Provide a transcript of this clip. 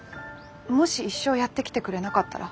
もし一生やって来てくれなかったら？